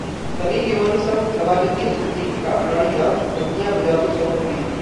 Sunny Leone संग नवाजुद्दीन सिद्दीकी का 'अनाड़ी' डांस, बत्तियां बुझा दो सॉन्ग रिलीज